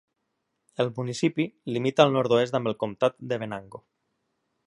El municipi limita al nord-oest amb el comtat de Venango.